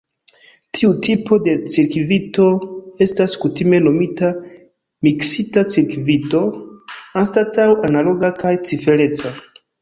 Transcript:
Tiu tipo de cirkvito estas kutime nomita "miksita cirkvito" anstataŭ "analoga kaj cifereca".